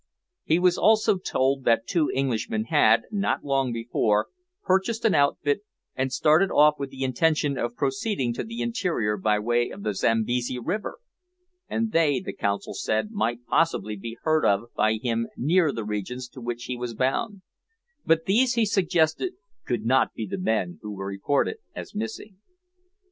He was also told that two Englishmen had, not long before, purchased an outfit, and started off with the intention of proceeding to the interior by way of the Zambesi river, and they, the consul said, might possibly be heard of by him near the regions to which he was bound; but these, he suggested, could not be the men who were reported as missing.